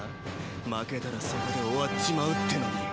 負けたらそこで終わっちまうってのに。